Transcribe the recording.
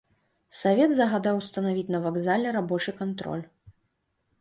Савет загадаў устанавіць на вакзале рабочы кантроль.